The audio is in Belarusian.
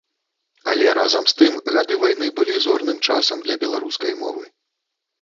Але разам з тым гады вайны былі зорным часам для беларускай мовы.